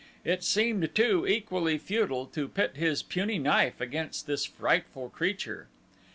It seemed, too, equally futile to pit his puny knife against this frightful creature.